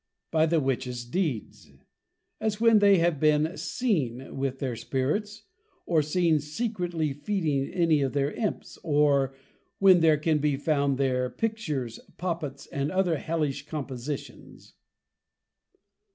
By the Witches Deeds. As when they have been seen with their Spirits, or seen secretly Feeding any of their Imps. Or, when there can be found their Pictures, Poppets, and other Hellish Compositions.